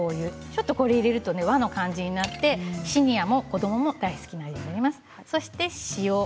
ちょっと入れると和の感じになってシニアも子どもも大好きになります。